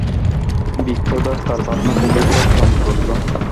বিপ্রদাস তার ভাবনা থেকে হঠাৎ চমকে উঠল।